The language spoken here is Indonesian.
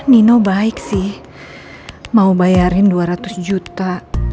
nino baik sih mau bayarin dua ratus juta